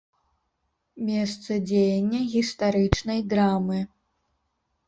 Месца дзеяння гістарычнай драмы.